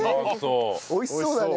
美味しそうだね。